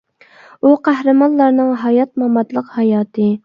ئۇ قەھرىمانلارنىڭ ھايات-ماماتلىق ھاياتى.